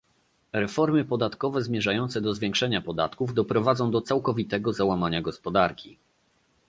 Reformy podatkowe zmierzające do zwiększenia podatków doprowadzą do całkowitego załamania gospodarki